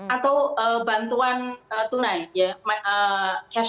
atau bantuan tunai cash